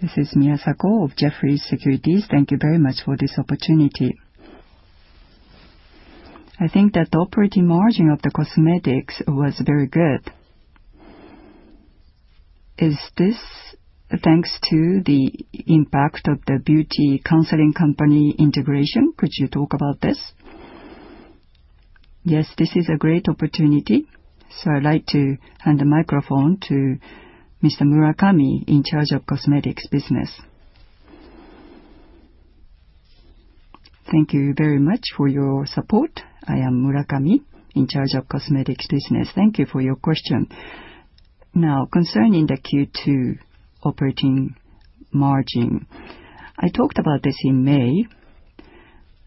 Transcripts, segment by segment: This is Miyasako of Jefferies Financial Group. Thank you very much for this opportunity. I think that the operating margin of the cosmetics was very good. Is this thanks to the impact of the beauty counseling company integration? Could you talk about this? This is a great opportunity, so I'd like to hand the microphone to Mr. Murakami in charge of cosmetics business. Thank you very much for your support. I am Murakami in charge of cosmetics business. Thank you for your question. Concerning the Q2 operating margin, I talked about this in May.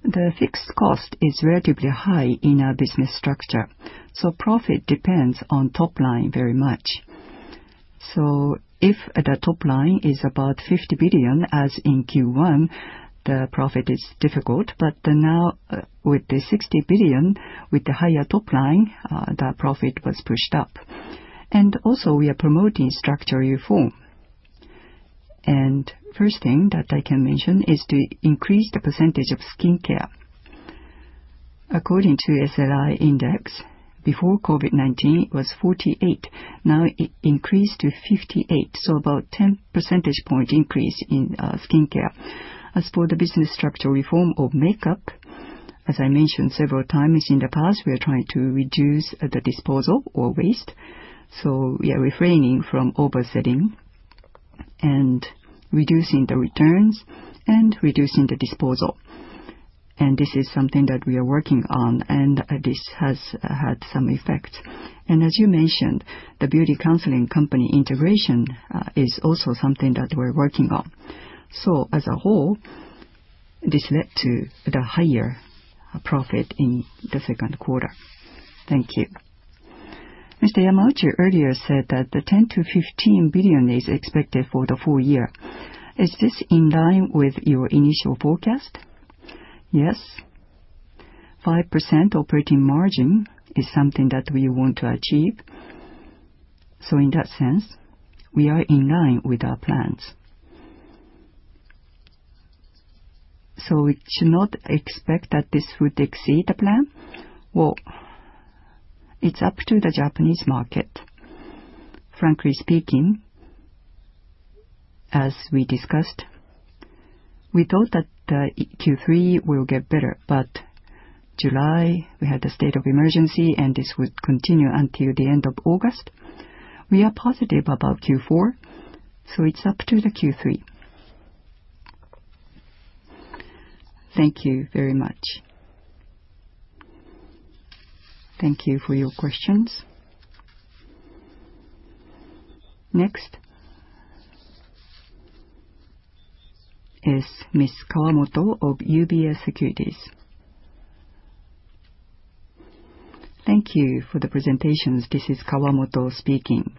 The fixed cost is relatively high in our business structure, so profit depends on top line very much. If the top line is about 50 billion, as in Q1, the profit is difficult. Now with the 60 billion, with the higher top line, the profit was pushed up. We are promoting structural reform. First thing that I can mention is to increase the percentage of skincare. According to SRI index, before COVID-19 was 48%, now it increased to 58%, so about 10 percentage points increase in skincare. As for the business structural reform of makeup, as I mentioned several times in the past, we are trying to reduce the disposal or waste. We are refraining from oversetting and reducing the returns and reducing the disposal. This is something that we are working on, and this has had some effect. As you mentioned, the beauty counseling company integration is also something that we're working on. As a whole, this led to the higher profit in the second quarter. Thank you. Mr. Yamauchi earlier said that the 10 billion-15 billion is expected for the full year. Is this in line with your initial forecast? Yes. 5% operating margin is something that we want to achieve. In that sense, we are in line with our plans. We should not expect that this would exceed the plan? Well, it's up to the Japanese market. Frankly speaking, as we discussed, we thought that Q3 will get better, but July we had the state of emergency and this would continue until the end of August. We are positive about Q4, so it's up to the Q3. Thank you very much. Thank you for your questions. Next is Ms. Kawamoto of UBS Securities. Thank you for the presentations. This is Kawamoto speaking.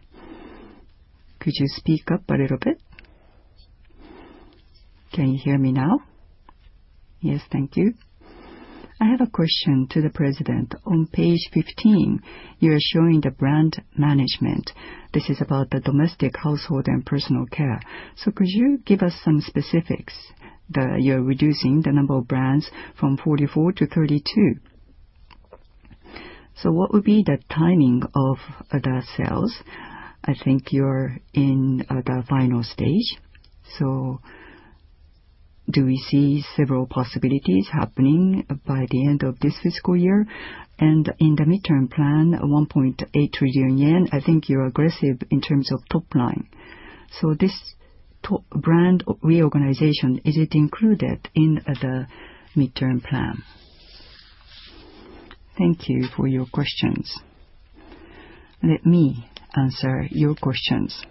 Could you speak up a little bit? Can you hear me now? Yes. Thank you. I have a question to the President. On page 15, you are showing the brand management. This is about the domestic household and personal care. Could you give us some specifics that you're reducing the number of brands from 44 to 32? What would be the timing of the sales? I think you're in the final stage. Do we see several possibilities happening by the end of this fiscal year? In the midterm plan, 1.8 trillion yen, I think you're aggressive in terms of top line. This top brand reorganization, is it included in the midterm plan? Thank you for your questions. Let me answer your questions.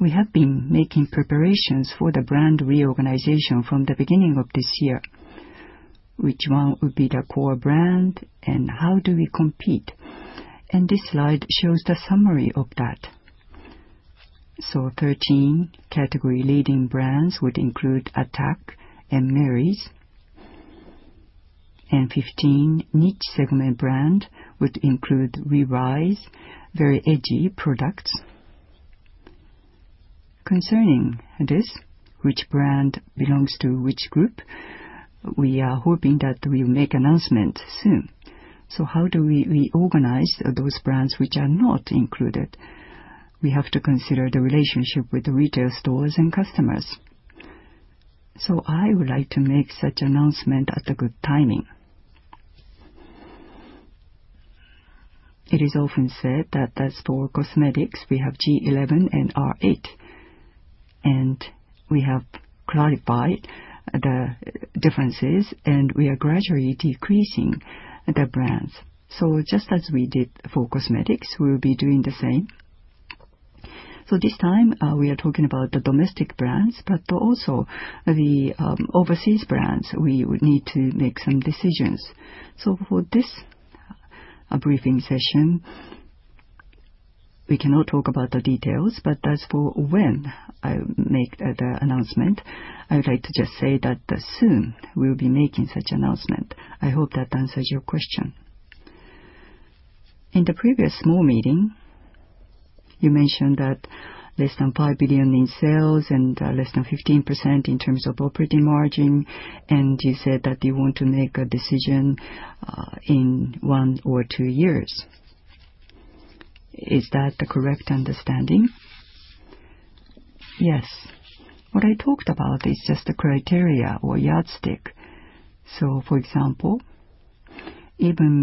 We have been making preparations for the brand reorganization from the beginning of this year, which one would be the core brand and how do we compete? This slide shows the summary of that. 13 category leading brands would include Attack and Merries, and 15 niche segment brand would include WeRise, very edgy products. Concerning this, which brand belongs to which group, we are hoping that we'll make announcement soon. How do we organize those brands which are not included? We have to consider the relationship with the retail stores and customers. I would like to make such announcement at a good timing. It is often said that as for cosmetics, we have G11 and R8, and we have clarified the differences, and we are gradually decreasing the brands. Just as we did for cosmetics, we will be doing the same. This time, we are talking about the domestic brands, but also the overseas brands, we would need to make some decisions. For this briefing session, we cannot talk about the details, but as for when I will make the announcement, I would like to just say that soon we'll be making such announcement. I hope that answers your question. In the previous small meeting, you mentioned that less than 5 billion in sales and less than 15% in terms of operating margin, and you said that you want to make a decision in one or two years. Is that the correct understanding? Yes. What I talked about is just the criteria or yardstick. For example, even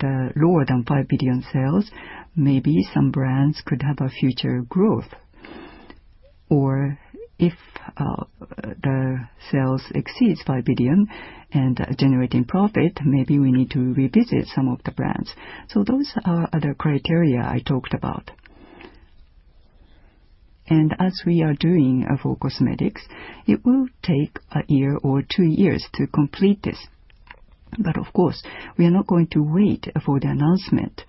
the lower than 5 billion sales, maybe some brands could have a future growth. If the sales exceeds 5 billion and generating profit, maybe we need to revisit some of the brands. Those are the criteria I talked about. As we are doing for cosmetics, it will take one year or two years to complete this. Of course, we are not going to wait for the announcement.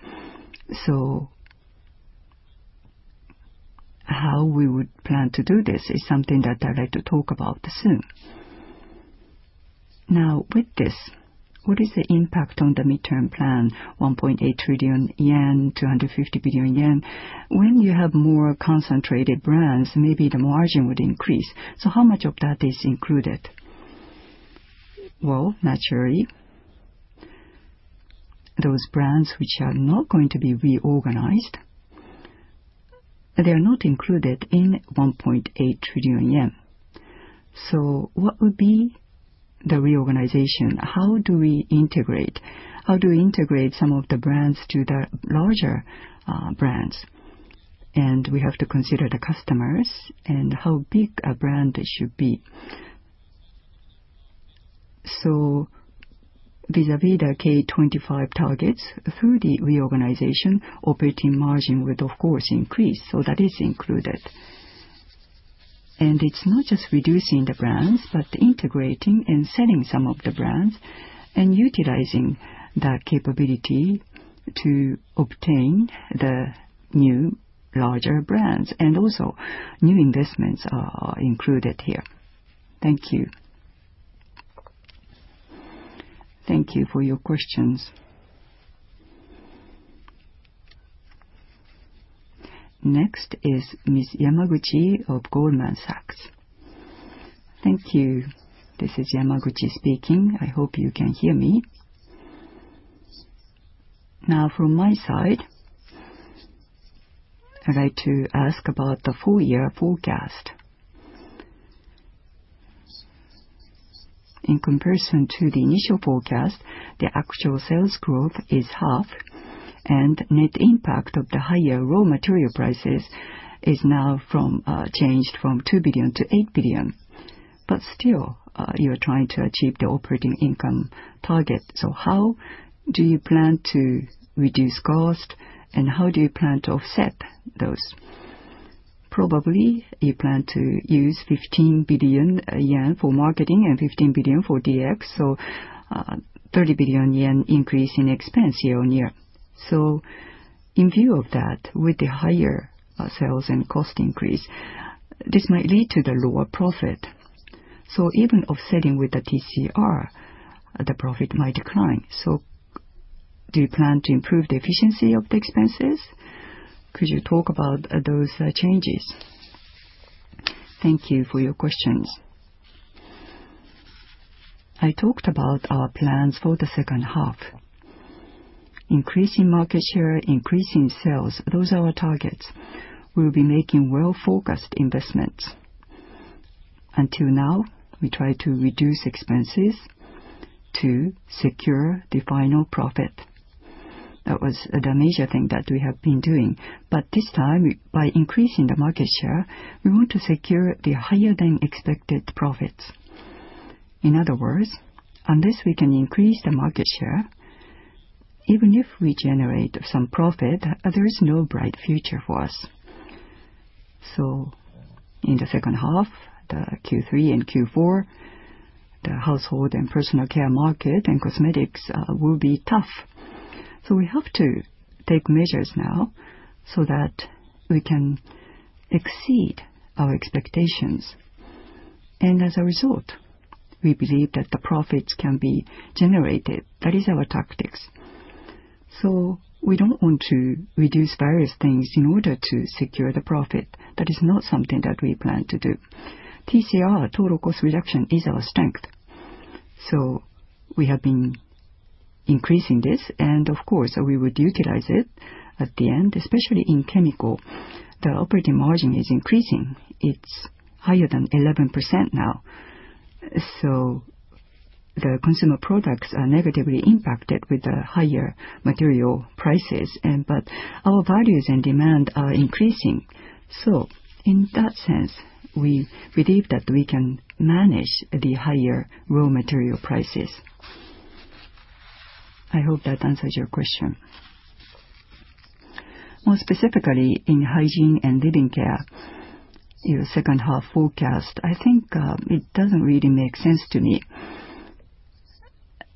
How we would plan to do this is something that I'd like to talk about soon. With this, what is the impact on the midterm plan, ¥1.8 trillion, ¥250 billion? When you have more concentrated brands, maybe the margin would increase. How much of that is included? Naturally, those brands which are not going to be reorganized, they are not included in ¥1.8 trillion. What would be the reorganization? How do we integrate? How do we integrate some of the brands to the larger brands? We have to consider the customers and how big a brand it should be. Vis-à-vis the K25 targets, through the reorganization, operating margin would of course increase. That is included. It's not just reducing the brands, but integrating and selling some of the brands and utilizing the capability to obtain the new larger brands. Also, new investments are included here. Thank you. Thank you for your questions. Next is Ms. Yamaguchi of Goldman Sachs. Thank you. This is Yamaguchi speaking. I hope you can hear me. From my side, I'd like to ask about the full-year forecast. In comparison to the initial forecast, the actual sales growth is half, and net impact of the higher raw material prices is now changed from 2 billion to 8 billion. Still, you're trying to achieve the operating income target. How do you plan to reduce cost, and how do you plan to offset those? Probably you plan to use 15 billion yen for marketing and 15 billion for DX, 30 billion yen increase in expense year-on-year. In view of that, with the higher sales and cost increase, this might lead to the lower profit. Even offsetting with the TCR, the profit might decline. Do you plan to improve the efficiency of the expenses? Could you talk about those changes? Thank you for your questions. I talked about our plans for the second half. Increasing market share, increasing sales, those are our targets. We'll be making well-focused investments. Until now, we try to reduce expenses to secure the final profit. That was the major thing that we have been doing. This time, by increasing the market share, we want to secure the higher than expected profits. In other words, unless we can increase the market share, even if we generate some profit, there is no bright future for us. In the second half, the Q3 and Q4, the household and personal care market and cosmetics will be tough. We have to take measures now so that we can exceed our expectations. As a result, we believe that the profits can be generated. That is our tactics. We don't want to reduce various things in order to secure the profit. That is not something that we plan to do. TCR, Total Cost Reduction, is our strength. We have been increasing this, and of course, we would utilize it at the end. Especially in chemical, the operating margin is increasing. It's higher than 11% now. The consumer products are negatively impacted with the higher material prices, but our volumes and demand are increasing. In that sense, we believe that we can manage the higher raw material prices. I hope that answers your question. More specifically, in Hygiene and Life Care, your second half forecast, I think it doesn't really make sense to me.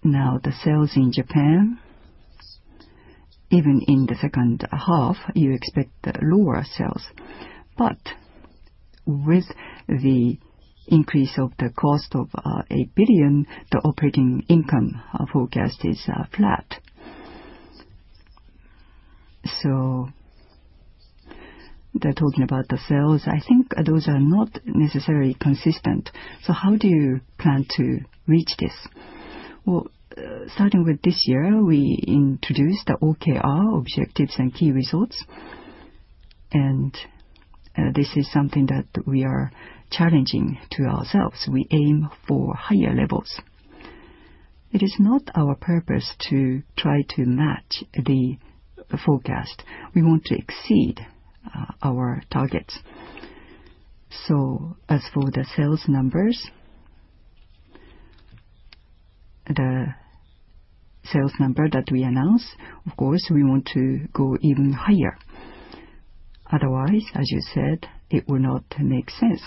Now the sales in Japan, even in the second half, you expect lower sales. With the increase of the cost of 8 billion, the operating income forecast is flat. They're talking about the sales. I think those are not necessarily consistent. How do you plan to reach this? Well, starting with this year, we introduced the OKR, objectives and key results. This is something that we are challenging to ourselves. We aim for higher levels. It is not our purpose to try to match the forecast. We want to exceed our targets. As for the sales numbers, the sales number that we announced, of course, we want to go even higher. Otherwise, as you said, it would not make sense.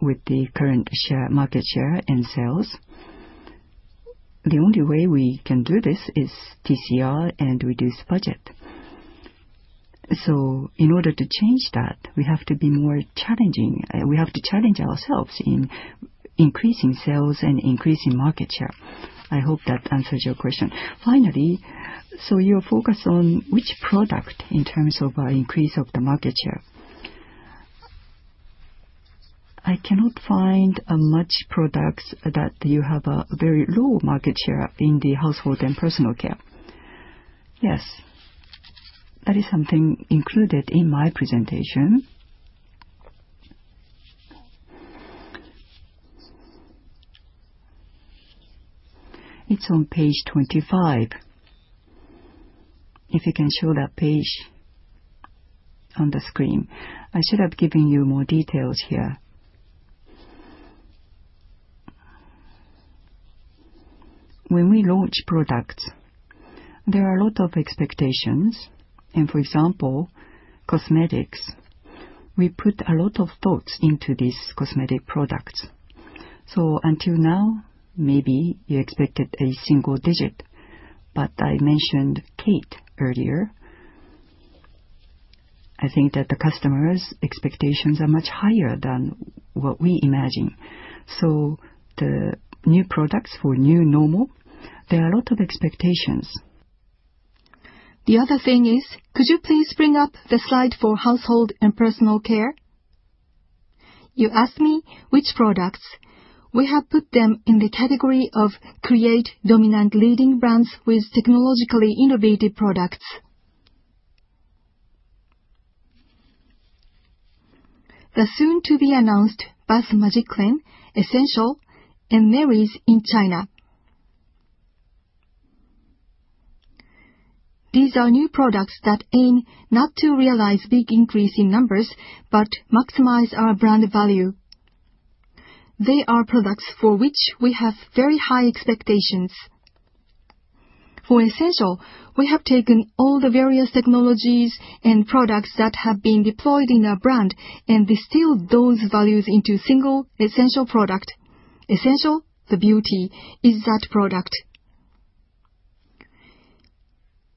With the current market share and sales, the only way we can do this is TCR and reduce budget. In order to change that, we have to be more challenging. We have to challenge ourselves in increasing sales and increasing market share. I hope that answers your question. Finally, you are focused on which product in terms of increase of the market share? I cannot find much products that you have a very low market share in the household and personal care. Yes. That is something included in my presentation. It's on page 25. If you can show that page on the screen. I should have given you more details here. When we launch products, there are a lot of expectations and, for example, cosmetics. We put a lot of thoughts into these cosmetic products. Until now, maybe you expected a single digit, but I mentioned KATE earlier. I think that the customers' expectations are much higher than what we imagine. The new products for new normal, there are a lot of expectations. The other thing is, could you please bring up the slide for household and personal care? You asked me which products. We have put them in the category of create dominant leading brands with technologically innovative products. The soon to be announced Bathroom Magiclean, Essential, and Merries in China. These are new products that aim not to realize big increase in numbers, but maximize our brand value. They are products for which we have very high expectations. For Essential, we have taken all the various technologies and products that have been deployed in our brand and distilled those values into a single essential product. Essential THE BEAUTY is that product.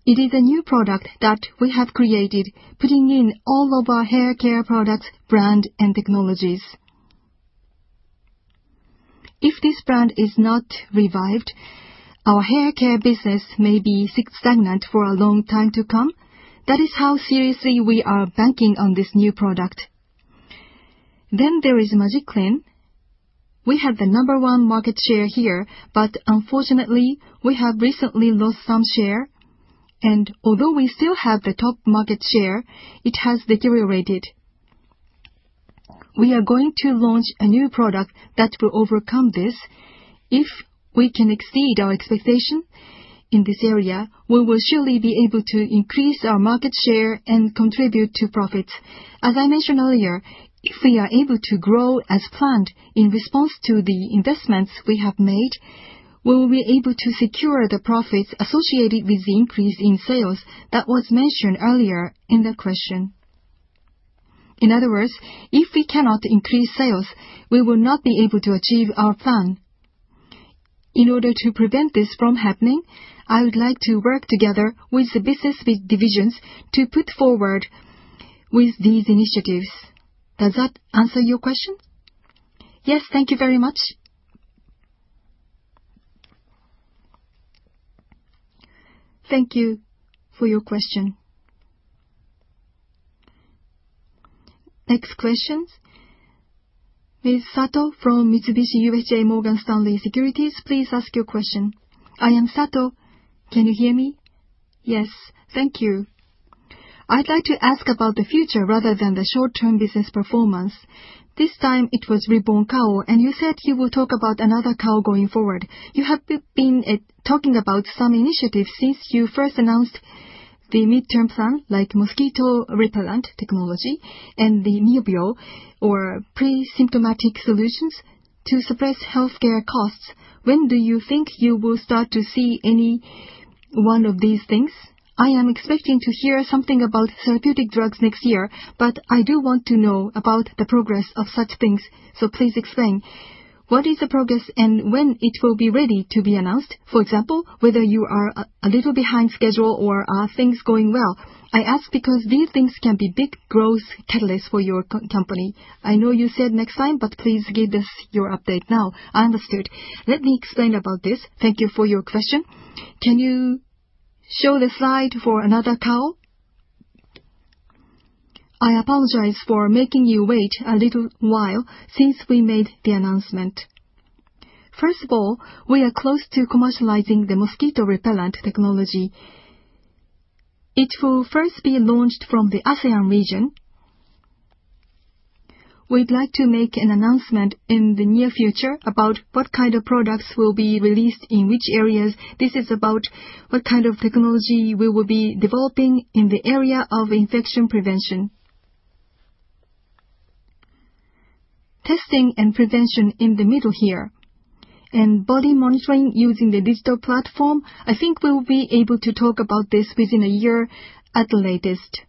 It is a new product that we have created, putting in all of our hair care products, brand, and technologies. If this brand is not revived, our hair care business may be stagnant for a long time to come. That is how seriously we are banking on this new product. There is Magiclean. We have the number one market share here, but unfortunately, we have recently lost some share, and although we still have the top market share, it has deteriorated. We are going to launch a new product that will overcome this. If we can exceed our expectation in this area, we will surely be able to increase our market share and contribute to profits. As I mentioned earlier, if we are able to grow as planned in response to the investments we have made, we will be able to secure the profits associated with the increase in sales that was mentioned earlier in the question. In other words, if we cannot increase sales, we will not be able to achieve our plan. In order to prevent this from happening, I would like to work together with the business divisions to put forward with these initiatives. Does that answer your question? Yes. Thank you very much. Thank you for your question. Next question, Ms. Sato from Mitsubishi UFJ Morgan Stanley Securities, please ask your question. I am Sato. Can you hear me? Yes. Thank you. I'd like to ask about the future rather than the short-term business performance. This time it was Reborn Kao, and you said you will talk about another Kao going forward. You have been talking about some initiatives since you first announced the midterm plan, like mosquito repellent technology and the new bio or pre-symptomatic solutions to suppress healthcare costs. When do you think you will start to see any one of these things, I am expecting to hear something about therapeutic drugs next year, but I do want to know about the progress of such things. Please explain what is the progress and when it will be ready to be announced. For example, whether you are a little behind schedule or are things going well. I ask because these things can be big growth catalysts for your company. I know you said next time, please give us your update now. Understood. Let me explain about this. Thank you for your question. Can you show the slide for another Kao? I apologize for making you wait a little while since we made the announcement. We are close to commercializing the mosquito repellent technology. It will first be launched from the ASEAN region. We'd like to make an announcement in the near future about what kind of products will be released in which areas. This is about what kind of technology we will be developing in the area of infection prevention. Testing and prevention in the middle here, and body monitoring using the digital platform, I think we will be able to talk about this within a year at the latest.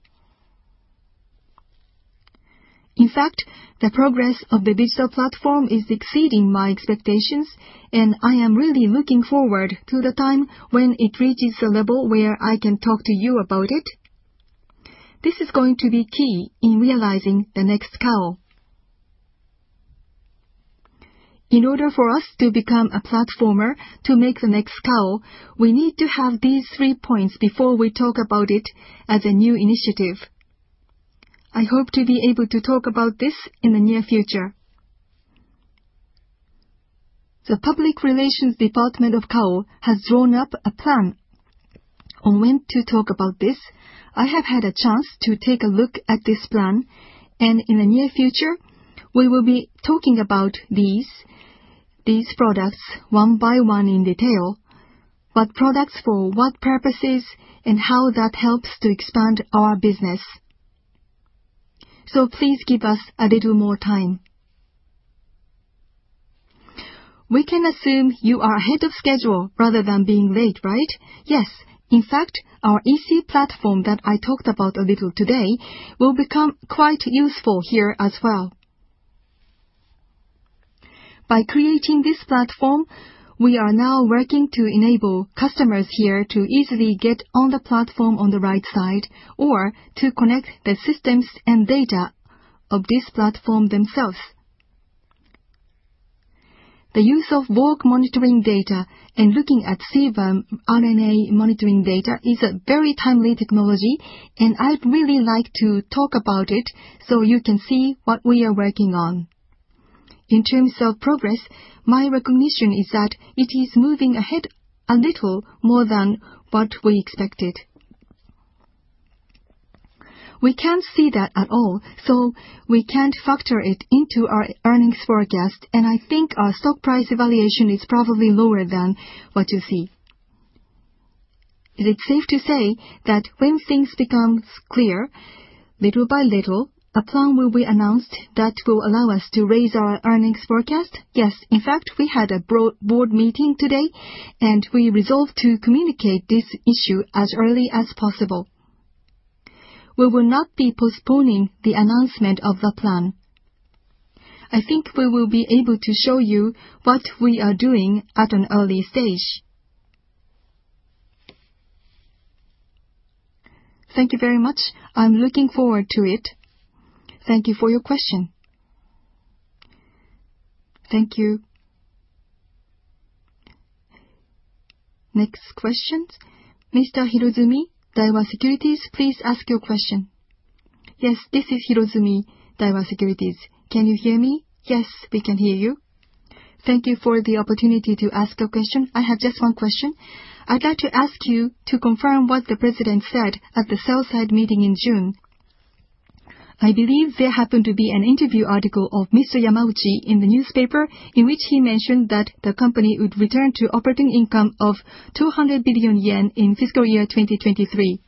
In fact, the progress of the digital platform is exceeding my expectations, and I am really looking forward to the time when it reaches a level where I can talk to you about it. This is going to be key in realizing the next Kao. In order for us to become a platformer to make the next Kao, we need to have these three points before we talk about it as a new initiative. I hope to be able to talk about this in the near future. The public relations department of Kao has drawn up a plan on when to talk about this. I have had a chance to take a look at this plan, and in the near future, we will be talking about these products one-by-one in detail. What products for what purposes, and how that helps to expand our business. Please give us a little more time. We can assume you are ahead of schedule rather than being late, right? Yes. In fact, our EC platform that I talked about a little today will become quite useful here as well. By creating this platform, we are now working to enable customers here to easily get on the platform on the right side or to connect the systems and data of this platform themselves. The use of work monitoring data and looking at sebum RNA monitoring data is a very timely technology, and I'd really like to talk about it so you can see what we are working on. In terms of progress, my recognition is that it is moving ahead a little more than what we expected. We can't see that at all, so we can't factor it into our earnings forecast, and I think our stock price evaluation is probably lower than what you see. Is it safe to say that when things become clear, little by little, a plan will be announced that will allow us to raise our earnings forecast? Yes. In fact, we had a board meeting today, and we resolved to communicate this issue as early as possible. We will not be postponing the announcement of the plan. I think we will be able to show you what we are doing at an early stage. Thank you very much. I'm looking forward to it. Thank you for your question. Thank you. Next questions. Mr. Hirozumi, Daiwa Securities, please ask your question. This is Hirozumi, Daiwa Securities. Can you hear me? We can hear you. Thank you for the opportunity to ask a question. I have just 1 question. I'd like to ask you to confirm what the President said at the sell-side meeting in June. I believe there happened to be an interview article of Mr. Yamauchi in the newspaper, in which he mentioned that the company would return to operating income of 200 billion yen in fiscal year 2023.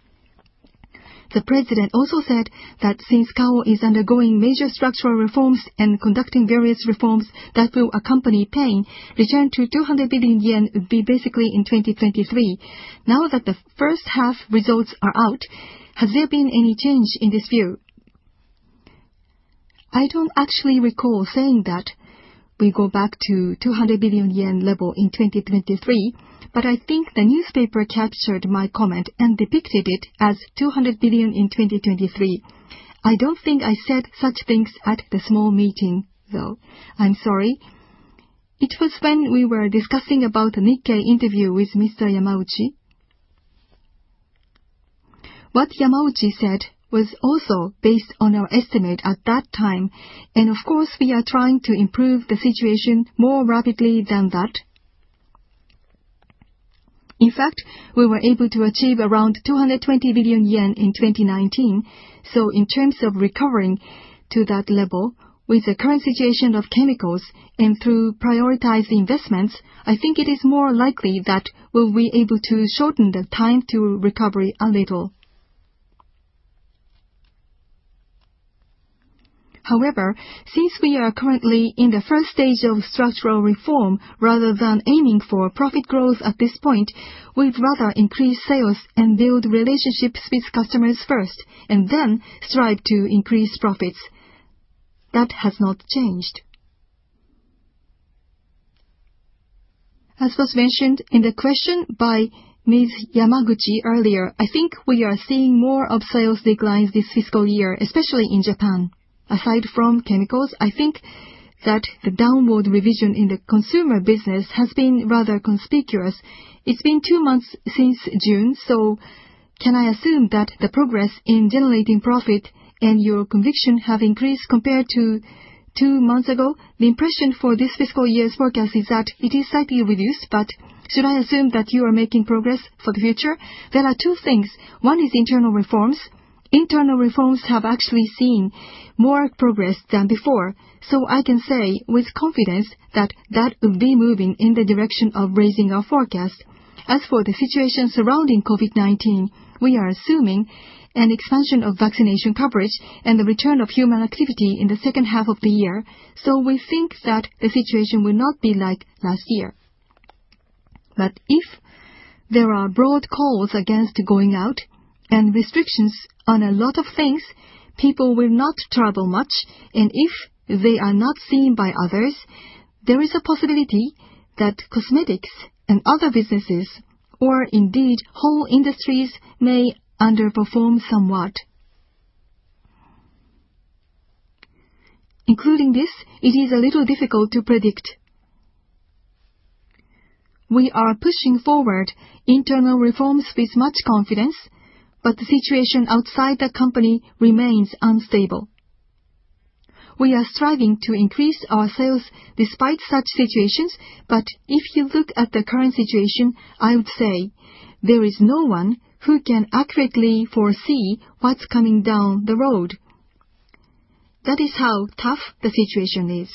The president also said that since Kao is undergoing major structural reforms and conducting various reforms that will accompany pain, return to 200 billion yen would be basically in 2023. Now that the first half results are out, has there been any change in this view? I don't actually recall saying that we go back to 200 billion yen level in 2023, but I think the newspaper captured my comment and depicted it as 200 billion in 2023. I don't think I said such things at the small meeting, though. I'm sorry. It was when we were discussing about a Nikkei interview with Mr. Yamauchi. What Yamauchi said was also based on our estimate at that time. Of course, we are trying to improve the situation more rapidly than that. In fact, we were able to achieve around 220 billion yen in 2019, so in terms of recovering to that level with the current situation of chemicals and through prioritized investments, I think it is more likely that we'll be able to shorten the time to recovery a little. However, since we are currently in the first stage of structural reform rather than aiming for profit growth at this point, we'd rather increase sales and build relationships with customers first and then strive to increase profits. That has not changed. As was mentioned in the question by Ms. Yamaguchi earlier, I think we are seeing more of sales declines this fiscal year, especially in Japan. Aside from chemicals, I think that the downward revision in the consumer business has been rather conspicuous. It's been two months since June, can I assume that the progress in generating profit and your conviction have increased compared to two months ago? The impression for this fiscal year's forecast is that it is slightly reduced, should I assume that you are making progress for the future? There are two things. One is internal reforms. Internal reforms have actually seen more progress than before, I can say with confidence that that will be moving in the direction of raising our forecast. As for the situation surrounding COVID-19, we are assuming an expansion of vaccination coverage and the return of human activity in the second half of the year. We think that the situation will not be like last year. If there are broad calls against going out and restrictions on a lot of things, people will not travel much. If they are not seen by others, there is a possibility that cosmetics and other businesses, or indeed whole industries, may underperform somewhat. Including this, it is a little difficult to predict. We are pushing forward internal reforms with much confidence, but the situation outside the company remains unstable. We are striving to increase our sales despite such situations, but if you look at the current situation, I would say there is no one who can accurately foresee what's coming down the road. That is how tough the situation is.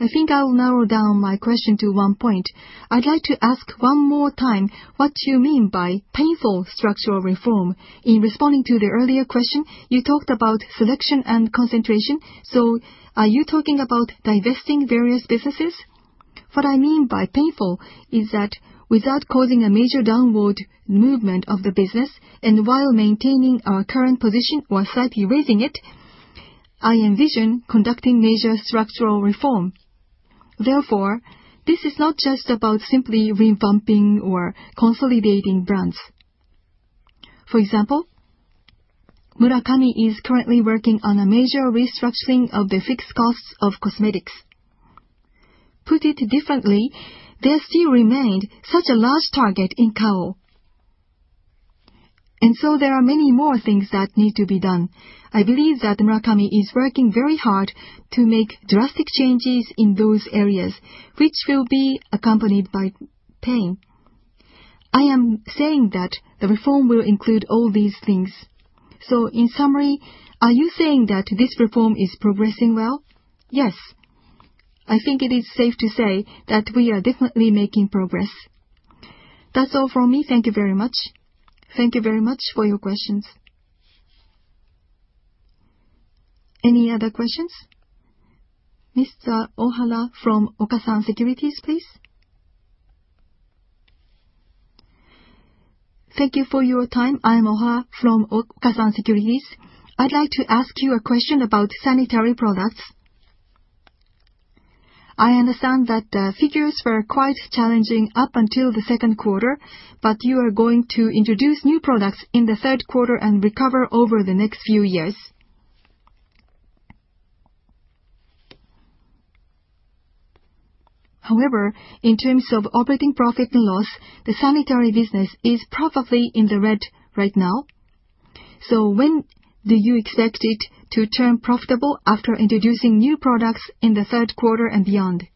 I think I will narrow down my question to one point. I'd like to ask one more time what you mean by painful structural reform. In responding to the earlier question, you talked about selection and concentration. Are you talking about divesting various businesses? What I mean by painful is that without causing a major downward movement of the business and while maintaining our current position or slightly raising it, I envision conducting major structural reform. This is not just about simply revamping or consolidating brands. For example, Murakami is currently working on a major restructuring of the fixed costs of cosmetics. Put it differently, there still remained such a large target in Kao. There are many more things that need to be done. I believe that Murakami is working very hard to make drastic changes in those areas, which will be accompanied by pain. I am saying that the reform will include all these things. In summary, are you saying that this reform is progressing well? Yes. I think it is safe to say that we are definitely making progress. That's all from me. Thank you very much. Thank you very much for your questions. Any other questions? Mr. Ohana from Okasan Securities, please. Thank you for your time. I'm Ohana from Okasan Securities. I'd like to ask you a question about sanitary products. I understand that the figures were quite challenging up until the second quarter, but you are going to introduce new products in the third quarter and recover over the next few years. However, in terms of operating profit and loss, the sanitary business is probably in the red right now. When do you expect it to turn profitable after introducing new products in the third quarter and beyond?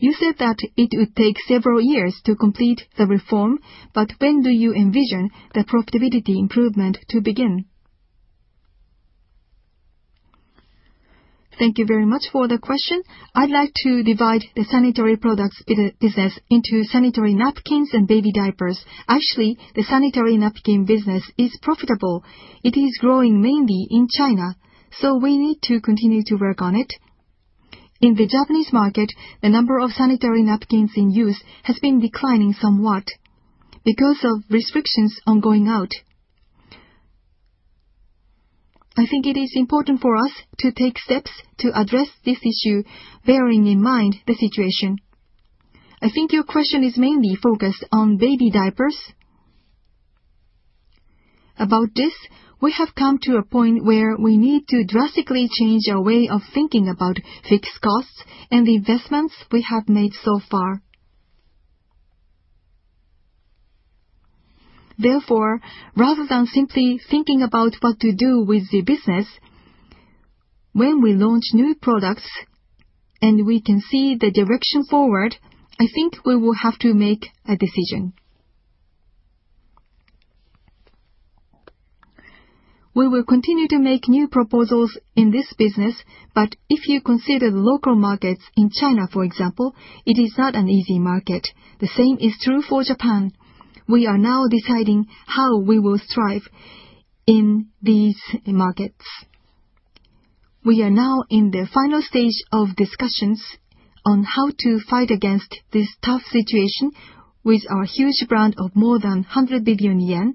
You said that it would take several years to complete the reform, but when do you envision the profitability improvement to begin? Thank you very much for the question. I'd like to divide the sanitary products business into sanitary napkins and baby diapers. Actually, the sanitary napkin business is profitable. It is growing mainly in China, so we need to continue to work on it. In the Japanese market, the number of sanitary napkins in use has been declining somewhat because of restrictions on going out. I think it is important for us to take steps to address this issue, bearing in mind the situation. I think your question is mainly focused on baby diapers. About this, we have come to a point where we need to drastically change our way of thinking about fixed costs and the investments we have made so far. Rather than simply thinking about what to do with the business, when we launch new products and we can see the direction forward, I think we will have to make a decision. We will continue to make new proposals in this business, but if you consider the local markets in China, for example, it is not an easy market. The same is true for Japan. We are now deciding how we will strive in these markets. We are now in the final stage of discussions on how to fight against this tough situation with our huge brand of more than 100 billion yen,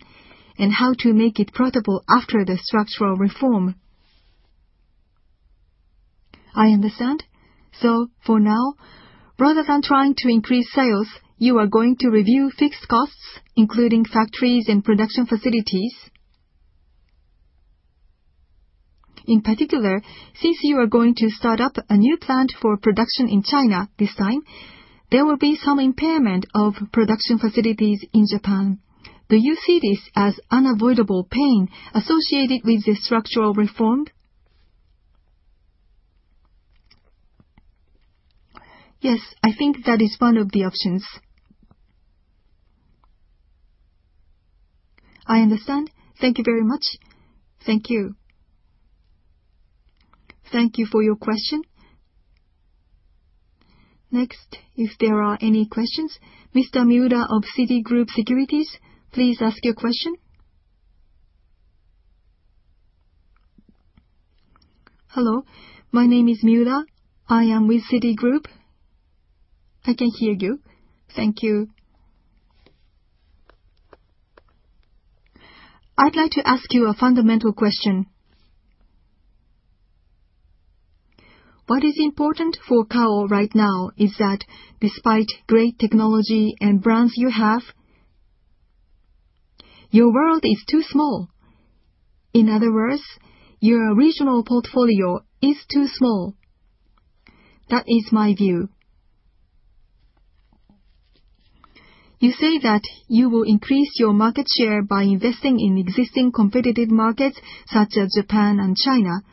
and how to make it profitable after the structural reform. I understand. For now, rather than trying to increase sales, you are going to review fixed costs, including factories and production facilities. In particular, since you are going to start up a new plant for production in China this time, there will be some impairment of production facilities in Japan. Do you see this as unavoidable pain associated with the structural reform? Yes, I think that is one of the options. I understand. Thank you very much. Thank you. Thank you for your question. Next, if there are any questions. Mr. Miura of Citigroup Securities, please ask your question. Hello, my name is Miura. I am with Citigroup. I can hear you. Thank you. I'd like to ask you a fundamental question. What is important for Kao right now is that despite great technology and brands you have, your world is too small. In other words, your regional portfolio is too small. That is my view. You say that you will increase your market share by investing in existing competitive markets such as Japan and China,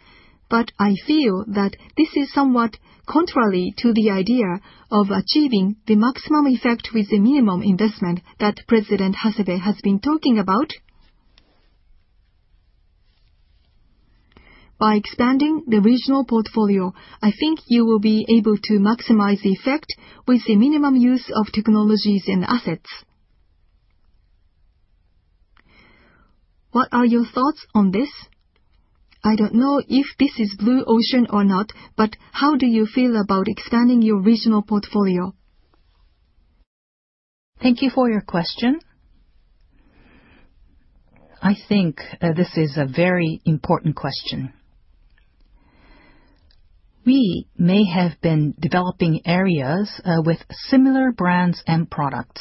but I feel that this is somewhat contrary to the idea of achieving the maximum effect with the minimum investment that President Hasebe has been talking about. By expanding the regional portfolio, I think you will be able to maximize the effect with the minimum use of technologies and assets. What are your thoughts on this? I don't know if this is blue ocean or not, but how do you feel about expanding your regional portfolio? Thank you for your question. I think this is a very important question. We may have been developing areas with similar brands and products.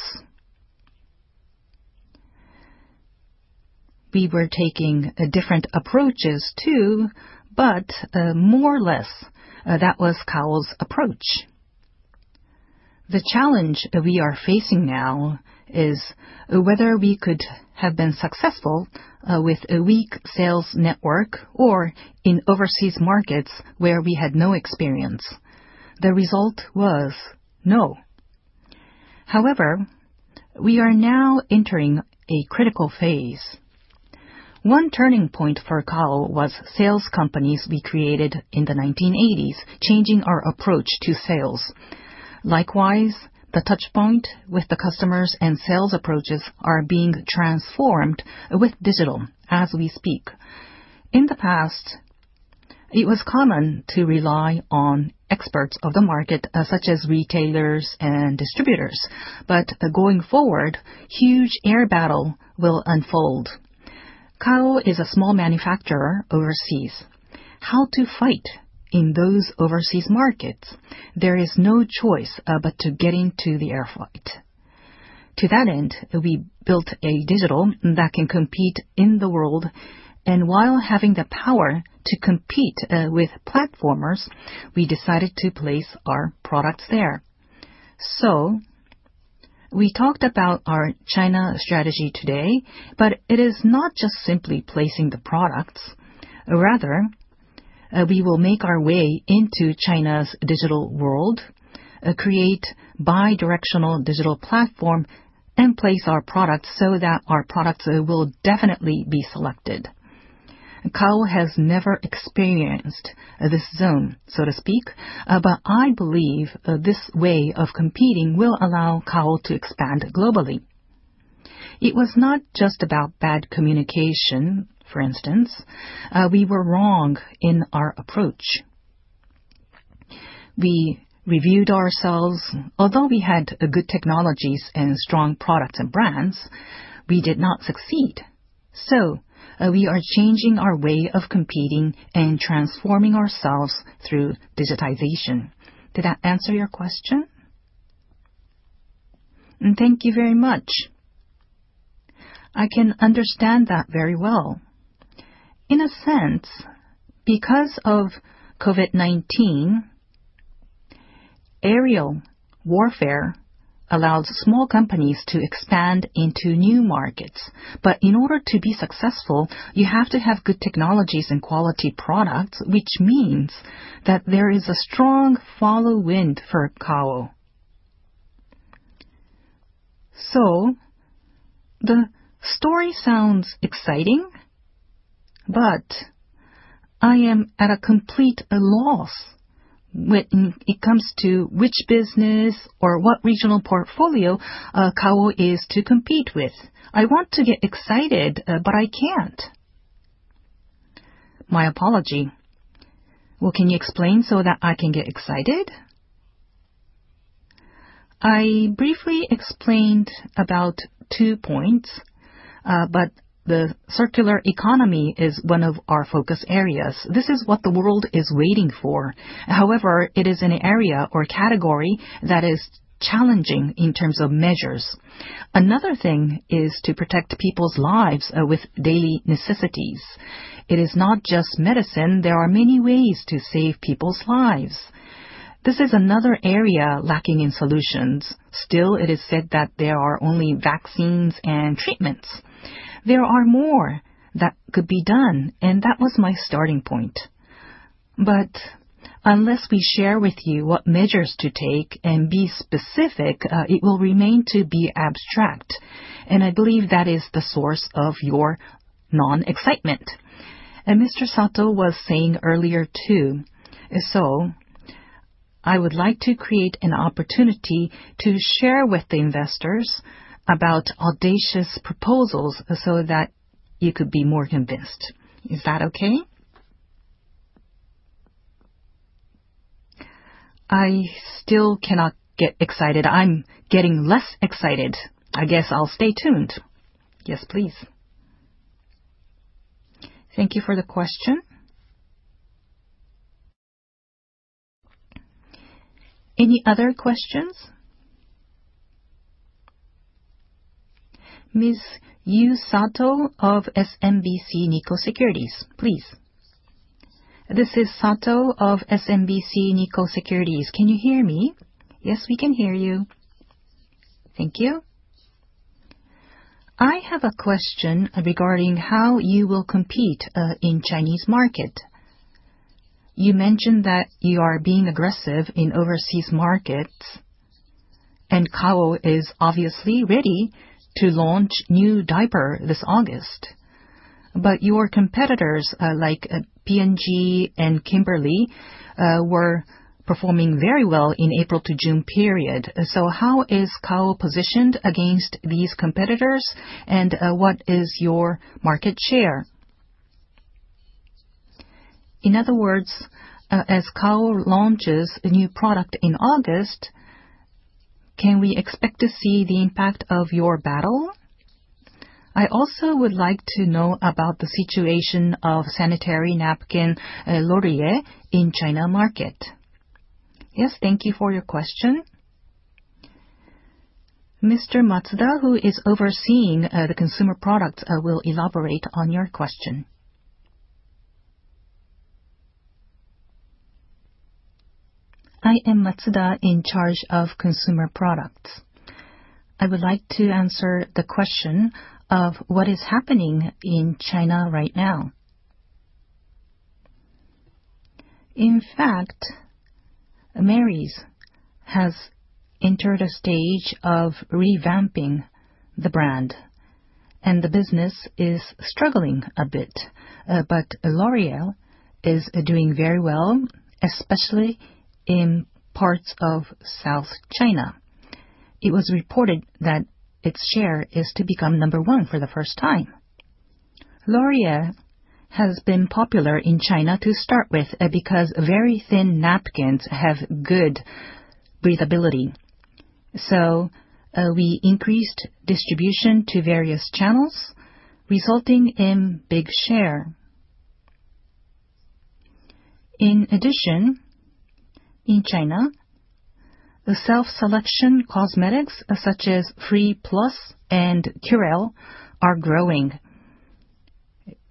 We were taking different approaches too, but more or less, that was Kao's approach. The challenge that we are facing now is whether we could have been successful with a weak sales network or in overseas markets where we had no experience. The result was no. However, we are now entering a critical phase. One turning point for Kao was sales companies we created in the 1980s, changing our approach to sales. Likewise, the touchpoint with the customers and sales approaches are being transformed with digital as we speak. In the past, it was common to rely on experts of the market, such as retailers and distributors. Going forward, huge air battle will unfold. Kao is a small manufacturer overseas. How to fight in those overseas markets? There is no choice but to get into the air fight. To that end, we built a digital that can compete in the world, and while having the power to compete with platformers, we decided to place our products there. We talked about our China strategy today, but it is not just simply placing the products. Rather, we will make our way into China's digital world, create bidirectional digital platform, and place our products so that our products will definitely be selected. Kao has never experienced this zone, so to speak, but I believe this way of competing will allow Kao to expand globally. It was not just about bad communication, for instance. We were wrong in our approach. We reviewed ourselves. Although we had good technologies and strong products and brands, we did not succeed. We are changing our way of competing and transforming ourselves through digitization. Did that answer your question? Thank you very much. I can understand that very well. In a sense, because of COVID-19, aerial warfare allowed small companies to expand into new markets. In order to be successful, you have to have good technologies and quality products, which means that there is a strong follow wind for Kao. The story sounds exciting, but I am at a complete loss when it comes to which business or what regional portfolio Kao is to compete with. I want to get excited, but I can't. My apology. Well, can you explain so that I can get excited? I briefly explained about two points, but the circular economy is one of our focus areas. This is what the world is waiting for. However, it is an area or category that is challenging in terms of measures. Another thing is to protect people's lives with daily necessities. It is not just medicine. There are many ways to save people's lives. This is another area lacking in solutions. Still, it is said that there are only vaccines and treatments. There are more that could be done, and that was my starting point. Unless we share with you what measures to take and be specific, it will remain to be abstract, and I believe that is the source of your non-excitement. Mr. Sato was saying earlier, too. I would like to create an opportunity to share with the investors about audacious proposals so that you could be more convinced. Is that okay? I still cannot get excited. I'm getting less excited. I guess I'll stay tuned. Yes, please. Thank you for the question. Any other questions? Ms. Yu Sato of SMBC Nikko Securities, please. This is Sato of SMBC Nikko Securities. Can you hear me? Yes, we can hear you. Thank you. I have a question regarding how you will compete in Chinese market. You mentioned that you are being aggressive in overseas markets. Kao is obviously ready to launch new diaper this August. Your competitors, like P&G and Kimberly, were performing very well in April to June period. How is Kao positioned against these competitors? What is your market share? In other words, as Kao launches a new product in August, can we expect to see the impact of your battle? I also would like to know about the situation of sanitary napkin, Laurier, in China market. Yes, thank you for your question. Mr. Matsuda, who is overseeing the consumer product, will elaborate on your question. I am Matsuda, in charge of consumer products. I would like to answer the question of what is happening in China right now. In fact, Merries has entered a stage of revamping the brand, and the business is struggling a bit. Laurier is doing very well, especially in parts of South China. It was reported that its share is to become number one for the first time. Laurier has been popular in China to start with because very thin napkins have good breathability. We increased distribution to various channels, resulting in big share. In addition, in China, the self-selection cosmetics such as freeplus and Curél are growing.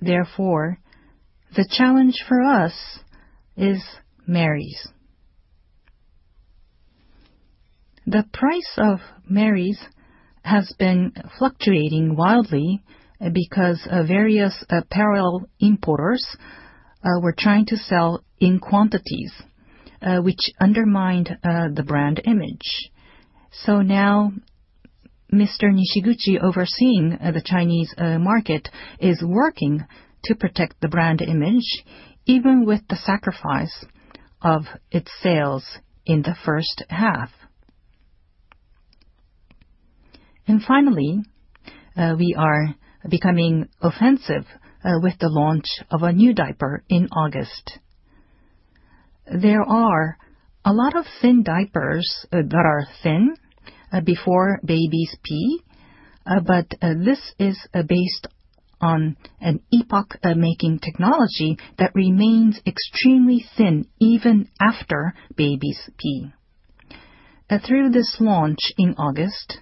Therefore, the challenge for us is Merries. The price of Merries has been fluctuating wildly because various apparel importers were trying to sell in quantities, which undermined the brand image. Now Mr. Nishiguchi, overseeing the Chinese market, is working to protect the brand image, even with the sacrifice of its sales in the first half. Finally, we are becoming offensive with the launch of a new diaper in August. There are a lot of thin diapers that are thin before babies pee, but this is based on an epoch-making technology that remains extremely thin even after babies pee. Through this launch in August,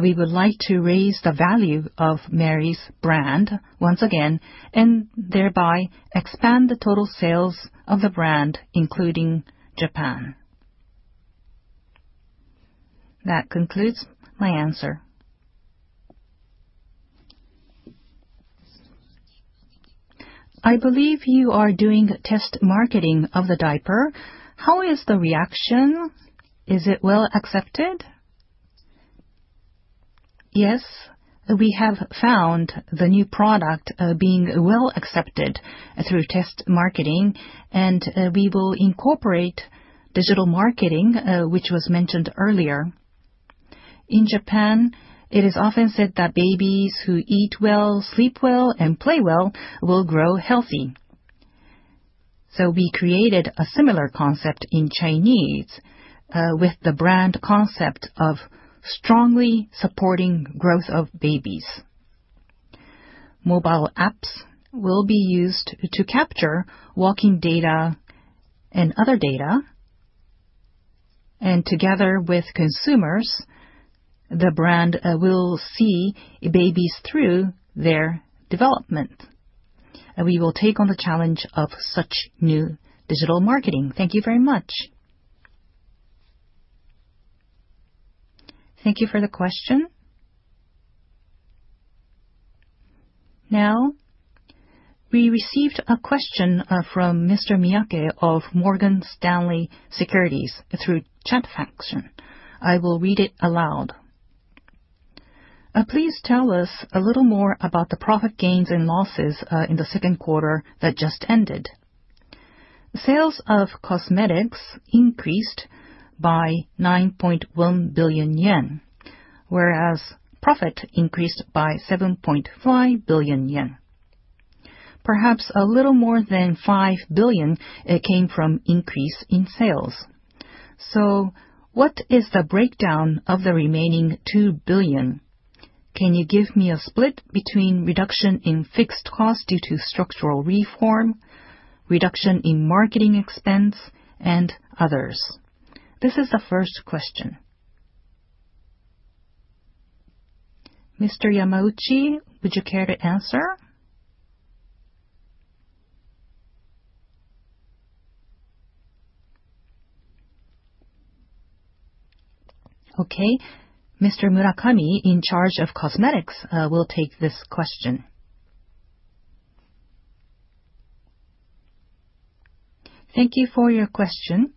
we would like to raise the value of Merries brand once again and thereby expand the total sales of the brand, including Japan. That concludes my answer. I believe you are doing test marketing of the diaper. How is the reaction? Is it well accepted? Yes. We have found the new product being well-accepted through test marketing, and we will incorporate digital marketing, which was mentioned earlier. In Japan, it is often said that babies who eat well, sleep well, and play well will grow healthy. We created a similar concept in Chinese with the brand concept of strongly supporting growth of babies. Mobile apps will be used to capture walking data and other data. Together with consumers, the brand will see babies through their development. We will take on the challenge of such new digital marketing. Thank you very much. Thank you for the question. We received a question from Mr. Miyake of Morgan Stanley Securities through chat function. I will read it aloud. Please tell us a little more about the profit gains and losses in the second quarter that just ended. Sales of cosmetics increased by 9.1 billion yen, whereas profit increased by 7.5 billion yen. Perhaps a little more than 5 billion came from increase in sales. What is the breakdown of the remaining 2 billion? Can you give me a split between reduction in fixed cost due to structural reform, reduction in marketing expense, and others? This is the first question. Mr. Yamauchi, would you care to answer? Okay. Mr. Murakami, in charge of cosmetics, will take this question. Thank you for your question.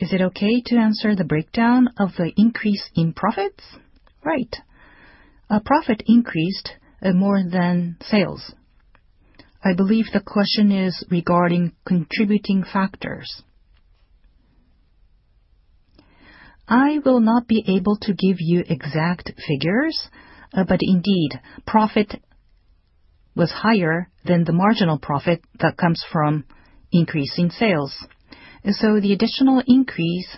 Is it okay to answer the breakdown of the increase in profits? Right. Profit increased more than sales. I believe the question is regarding contributing factors. I will not be able to give you exact figures, but indeed, profit was higher than the marginal profit that comes from increase in sales. The additional increase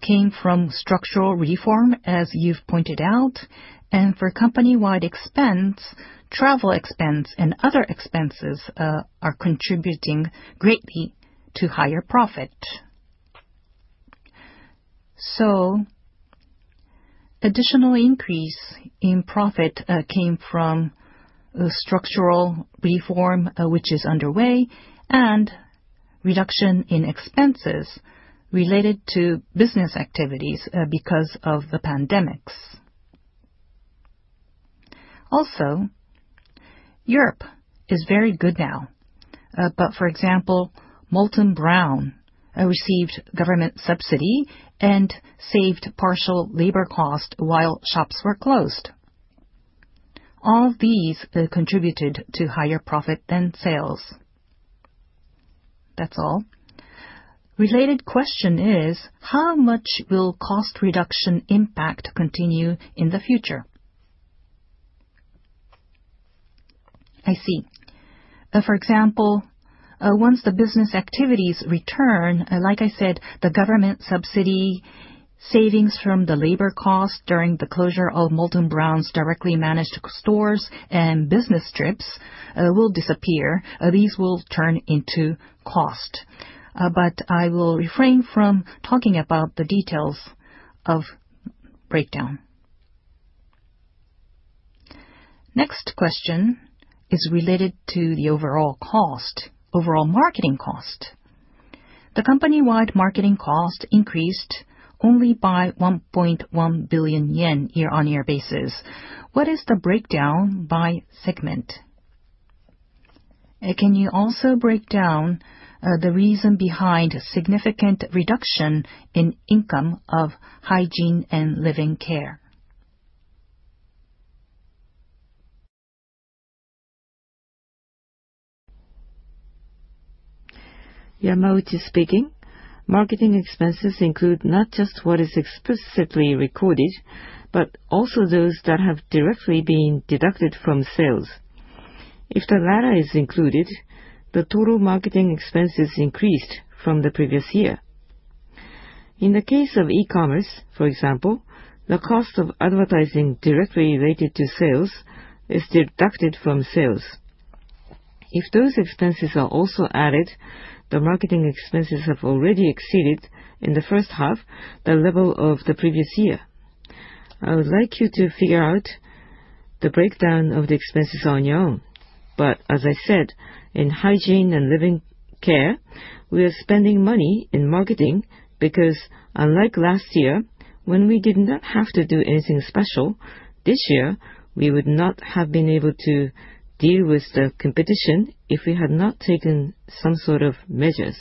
came from structural reform, as you've pointed out, and for company-wide expense, travel expense, and other expenses are contributing greatly to higher profit. Additional increase in profit came from structural reform, which is underway, and reduction in expenses related to business activities because of the pandemics. Europe is very good now, but for example, Molton Brown received government subsidy and saved partial labor cost while shops were closed. All these contributed to higher profit than sales. That's all. Related question is, how much will cost reduction impact continue in the future? I see. For example, once the business activities return, like I said, the government subsidy savings from the labor cost during the closure of Molton Brown's directly managed stores and business trips will disappear. These will turn into cost. I will refrain from talking about the details of breakdown. Next question is related to the overall cost, overall marketing cost. The company-wide marketing cost increased only by ¥1.1 billion year-on-year basis. What is the breakdown by segment? Can you also break down the reason behind significant reduction in income of Life Care? Marketing expenses include not just what is explicitly recorded, but also those that have directly been deducted from sales. If the latter is included, the total marketing expenses increased from the previous year. In the case of e-commerce, for example, the cost of advertising directly related to sales is deducted from sales. If those expenses are also added, the marketing expenses have already exceeded, in the first half, the level of the previous year. I would like you to figure out the breakdown of the expenses on your own. As I said, in Hygiene and Living Care, we are spending money in marketing because unlike last year when we did not have to do anything special, this year we would not have been able to deal with the competition if we had not taken some sort of measures.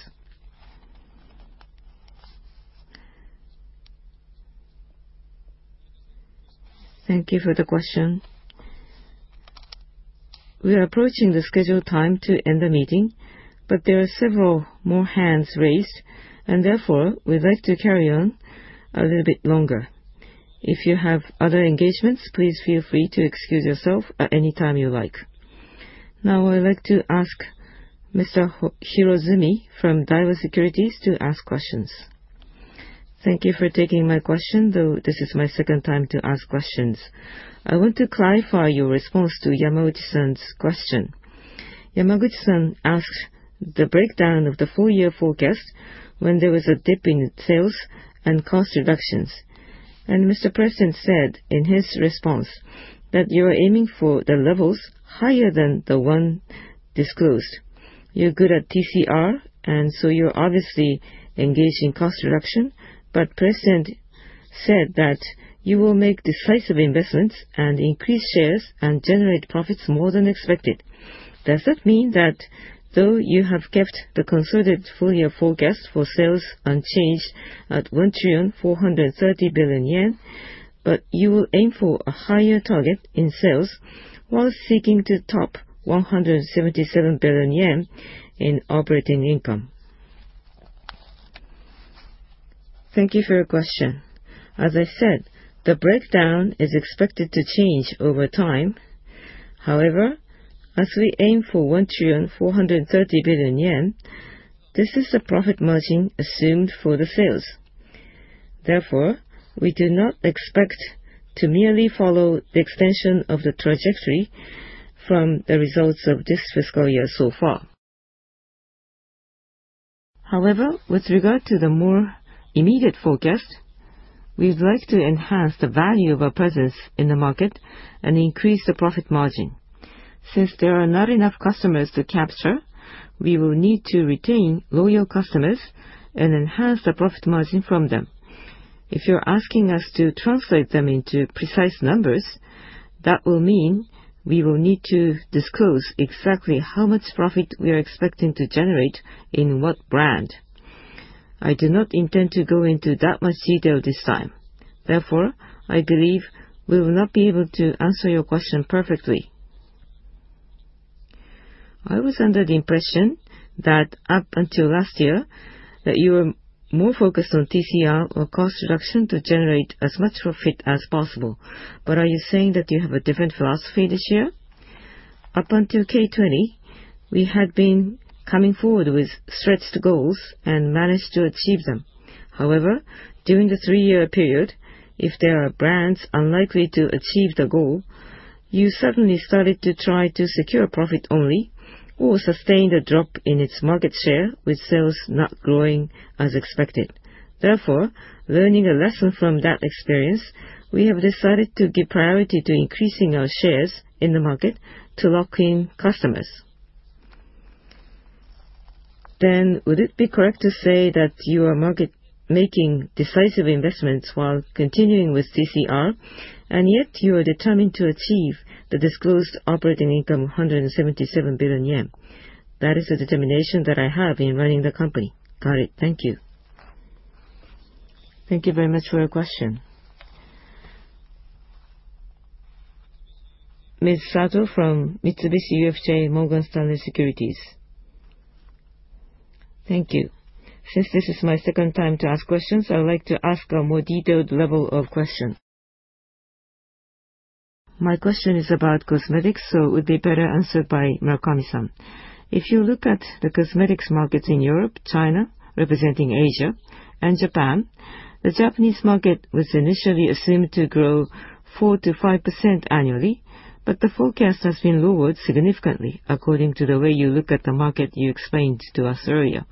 Thank you for the question. We are approaching the scheduled time to end the meeting, but there are several more hands raised, and therefore, we'd like to carry on a little bit longer. If you have other engagements, please feel free to excuse yourself at any time you like. I would like to ask Mr. Hirozumi from Daiwa Securities to ask questions. Thank you for taking my question, though this is my second time to ask questions. I want to clarify your response to Yamaguchi-san's question. Yamaguchi-san asked the breakdown of the full-year forecast when there was a dip in sales and cost reductions. Mr. President said in his response that you are aiming for the levels higher than the one disclosed. You're good at TCR, you're obviously engaged in cost reduction. President said that you will make decisive investments and increase shares and generate profits more than expected. Does that mean that though you have kept the consolidated full-year forecast for sales unchanged at 1,430 billion yen, but you will aim for a higher target in sales while seeking to top 177 billion yen in operating income? Thank you for your question. As I said, the breakdown is expected to change over time. However, as we aim for 1,430 billion yen, this is the profit margin assumed for the sales. Therefore, we do not expect to merely follow the extension of the trajectory from the results of this fiscal year so far. However, with regard to the more immediate forecast, we would like to enhance the value of our presence in the market and increase the profit margin. Since there are not enough customers to capture, we will need to retain loyal customers and enhance the profit margin from them. If you're asking us to translate them into precise numbers, that will mean we will need to disclose exactly how much profit we are expecting to generate in what brand. I do not intend to go into that much detail this time. Therefore, I believe we will not be able to answer your question perfectly. I was under the impression that up until last year, that you were more focused on TCR or cost reduction to generate as much profit as possible. Are you saying that you have a different philosophy this year? Up until K20, we had been coming forward with stretched goals and managed to achieve them. However, during the three-year period, if there are brands unlikely to achieve the goal, you suddenly started to try to secure profit only or sustain the drop in its market share with sales not growing as expected. Therefore, learning a lesson from that experience, we have decided to give priority to increasing our shares in the market to lock in customers. Would it be correct to say that you are making decisive investments while continuing with TCR, and yet you are determined to achieve the disclosed operating income of 177 billion yen? That is the determination that I have in running the company. Got it. Thank you. Thank you very much for your question. Ms. Sato from Mitsubishi UFJ Morgan Stanley Securities. Thank you. Since this is my second time to ask questions, I would like to ask a more detailed level of question. My question is about cosmetics, so it would be better answered by Murakami-san. If you look at the cosmetics markets in Europe, China, representing Asia, and Japan, the Japanese market was initially assumed to grow 4%-5% annually, but the forecast has been lowered significantly according to the way you look at the market you explained to us earlier.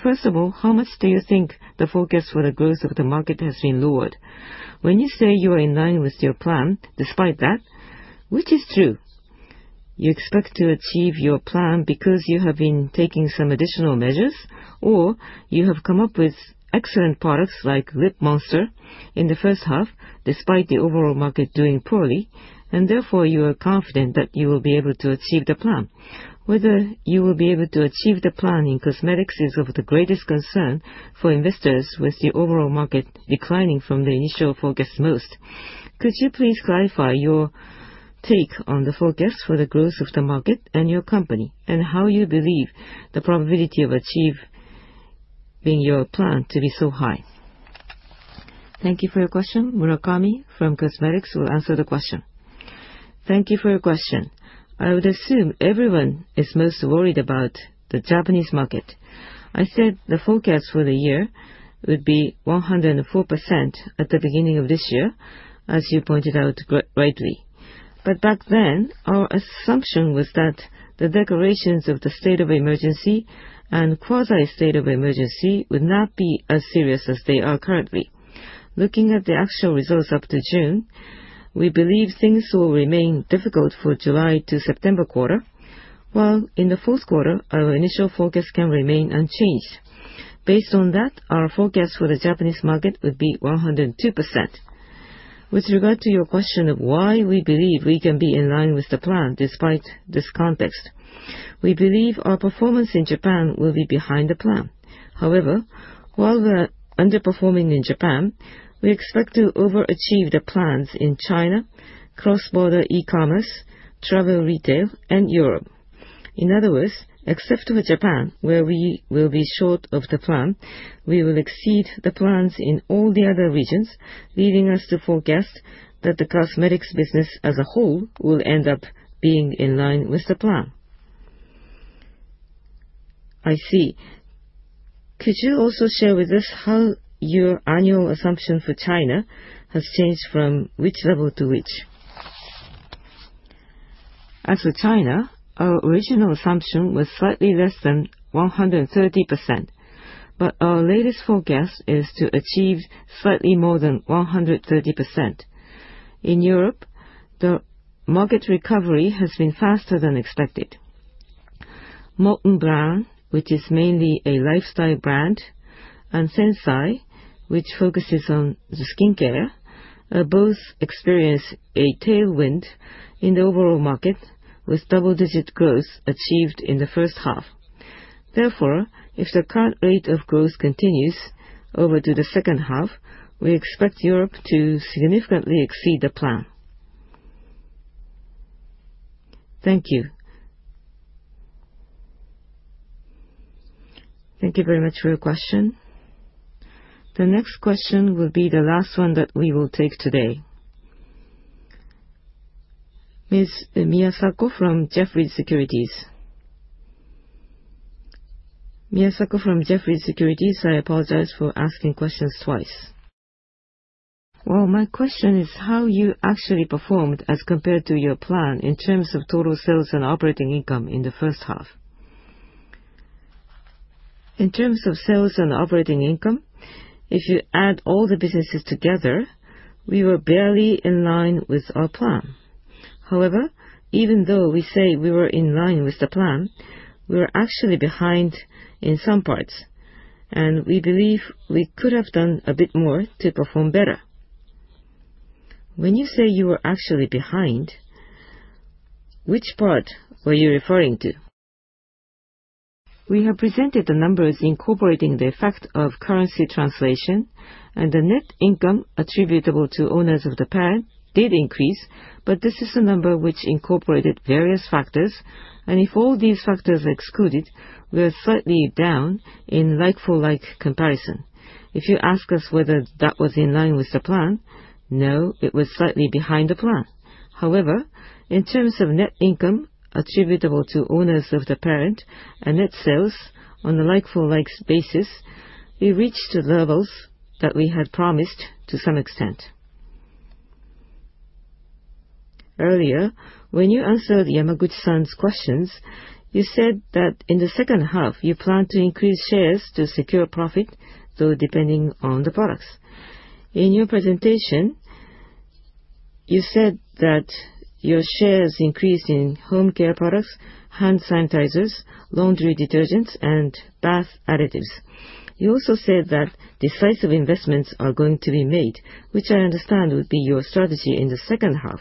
First of all, how much do you think the forecast for the growth of the market has been lowered? When you say you are in line with your plan despite that, which is true? You expect to achieve your plan because you have been taking some additional measures, or you have come up with excellent products like Lip Monster in the 1st half despite the overall market doing poorly, and therefore, you are confident that you will be able to achieve the plan. Whether you will be able to achieve the plan in cosmetics is of the greatest concern for investors with the overall market declining from the initial forecast most. Could you please clarify your take on the forecast for the growth of the market and your company, and how you believe the probability of achieving your plan to be so high? Thank you for your question. Murakami from Cosmetics will answer the question. Thank you for your question. I would assume everyone is most worried about the Japanese market. I said the forecast for the year would be 104% at the beginning of this year, as you pointed out rightly. Back then, our assumption was that the declarations of the state of emergency and quasi state of emergency would not be as serious as they are currently. Looking at the actual results up to June. We believe things will remain difficult for July to September quarter, while in the fourth quarter, our initial forecast can remain unchanged. Based on that, our forecast for the Japanese market would be 102%. With regard to your question of why we believe we can be in line with the plan despite this context, we believe our performance in Japan will be behind the plan. However, while we're underperforming in Japan, we expect to overachieve the plans in China, cross-border e-commerce, travel retail, and Europe. In other words, except for Japan, where we will be short of the plan, we will exceed the plans in all the other regions, leaving us to forecast that the cosmetics business as a whole will end up being in line with the plan. I see. Could you also share with us how your annual assumption for China has changed from which level to which? As for China, our original assumption was slightly less than 130%, but our latest forecast is to achieve slightly more than 130%. In Europe, the market recovery has been faster than expected. Molton Brown, which is mainly a lifestyle brand, and SENSAI, which focuses on skincare, are both experiencing a tailwind in the overall market, with double-digit growth achieved in the first half. Therefore, if the current rate of growth continues over to the second half, we expect Europe to significantly exceed the plan. Thank you. Thank you very much for your question. The next question will be the last one that we will take today. Ms. Miyasako from Jefferies Securities. Miyasako from Jefferies Securities. I apologize for asking questions twice. Well, my question is how you actually performed as compared to your plan in terms of total sales and operating income in the first half. In terms of sales and operating income, if you add all the businesses together, we were barely in line with our plan. However, even though we say we were in line with the plan, we were actually behind in some parts, and we believe we could have done a bit more to perform better. When you say you were actually behind, which part were you referring to? We have presented the numbers incorporating the effect of currency translation, and the net income attributable to owners of the parent did increase, but this is a number which incorporated various factors, and if all these factors are excluded, we are slightly down in like-for-like comparison. If you ask us whether that was in line with the plan, no, it was slightly behind the plan. However, in terms of net income attributable to owners of the parent and net sales on a like-for-like basis, we reached the levels that we had promised to some extent. Earlier, when you answered Yamaguchi-san's questions, you said that in the second half you plan to increase shares to secure profit, though depending on the products. In your presentation, you said that your shares increased in home care products, hand sanitizers, laundry detergents, and bath additives. You also said that decisive investments are going to be made, which I understand would be your strategy in the second half.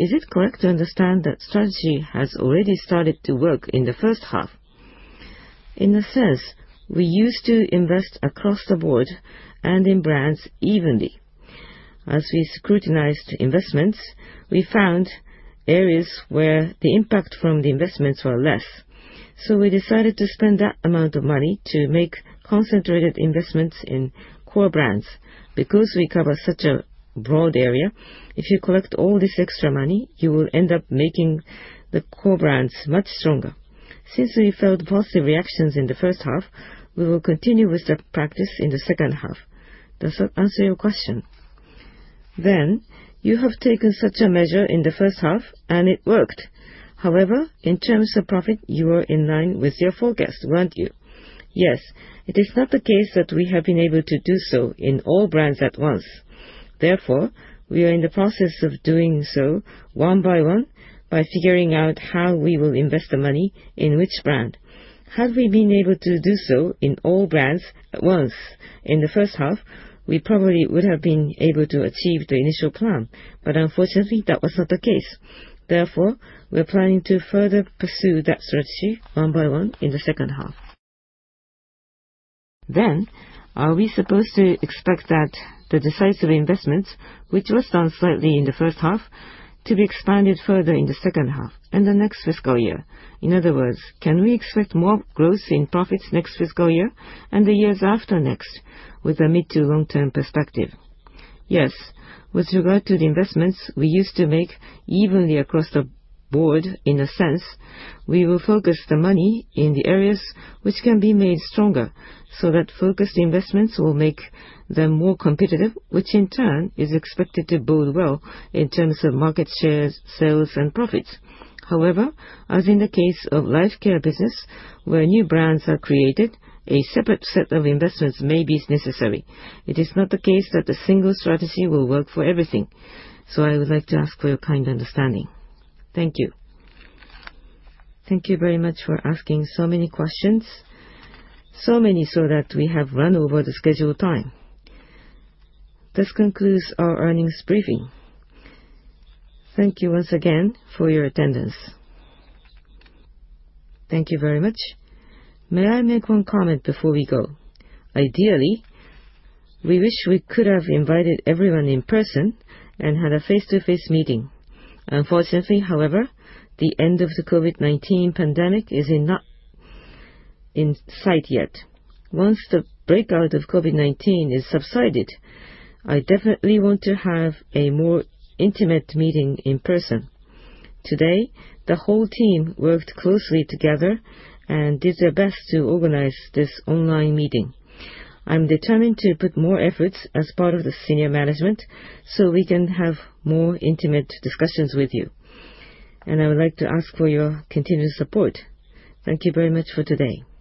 Is it correct to understand that strategy has already started to work in the first half? In a sense, we used to invest across the board and in brands evenly. As we scrutinized investments, we found areas where the impact from the investments were less. We decided to spend that amount of money to make concentrated investments in core brands. Because we cover such a broad area, if you collect all this extra money, you will end up making the core brands much stronger. Since we felt positive reactions in the first half, we will continue with that practice in the second half. Does that answer your question? You have taken such a measure in the first half, and it worked. However, in terms of profit, you were in line with your forecast, weren't you? Yes. It is not the case that we have been able to do so in all brands at once. Therefore, we are in the process of doing so one-by-one by figuring out how we will invest the money in which brand. Had we been able to do so in all brands at once in the first half, we probably would have been able to achieve the initial plan, but unfortunately, that was not the case. We are planning to further pursue that strategy one by one in the second half. Are we supposed to expect that the decisive investments, which were done slightly in the first half, to be expanded further in the second half and the next fiscal year? In other words, can we expect more growth in profits next fiscal year and the years after next with a mid to long-term perspective? Yes. With regard to the investments we used to make evenly across the board, in a sense, we will focus the money in the areas which can be made stronger so that focused investments will make them more competitive, which in turn is expected to bode well in terms of market shares, sales, and profits. However, as in the case of Life Care business, where new brands are created, a separate set of investments may be necessary. It is not the case that the single strategy will work for everything. I would like to ask for your kind understanding. Thank you. Thank you very much for asking so many questions. Many so that we have run over the scheduled time. This concludes our earnings briefing. Thank you once again for your attendance. Thank you very much. May I make one comment before we go? Ideally, we wish we could have invited everyone in person and had a face-to-face meeting. Unfortunately, however, the end of the COVID-19 pandemic is not in sight yet. Once the breakout of COVID-19 has subsided, I definitely want to have a more intimate meeting in person. Today, the whole team worked closely together and did their best to organize this online meeting. I'm determined to put in more effort as part of the senior management so we can have more intimate discussions with you. I would like to ask for your continued support. Thank you very much for today.